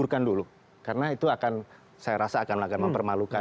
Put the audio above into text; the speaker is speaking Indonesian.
saya menggurkan dulu karena itu akan saya rasa akan mempermalukan